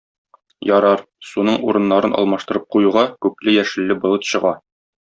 Ярар, суның урыннарын алмаштырып куюга, күкле-яшелле болыт чыга.